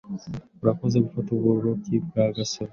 Urakoze gufata uburobyi bwa Gasaro.